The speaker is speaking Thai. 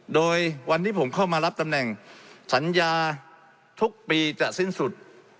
โดยวันที่ผมเข้ามารับตำแหน่งสัญญาทุกปีจะสิ้นสุด